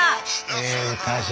ええ歌じゃ。